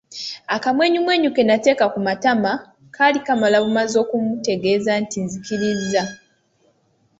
Akamwenyumwenyu ke nateeka ku matama, kaali kamala bumazi okumutegeeza nti nzikirizza.